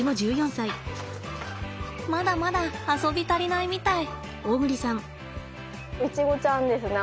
まだまだ遊び足りないみたい。